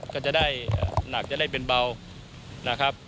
ก็จะได้หนักจะได้เป็นเบา